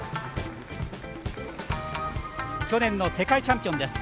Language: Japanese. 去年の世界チャンピオンです。